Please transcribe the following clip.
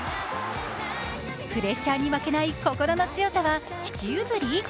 プレッシャーに負けない心の強さは父譲り？